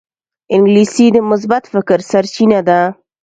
انګلیسي د مثبت فکر سرچینه ده